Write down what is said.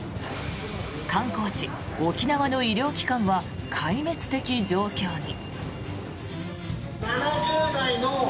観光地、沖縄の医療機関は壊滅的状況に。